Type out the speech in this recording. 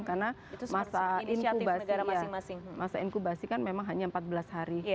karena masa inkubasi kan memang hanya empat belas hari